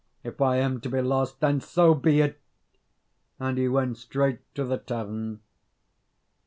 If I am to be lost, then so be it!" and he went straight to the tavern.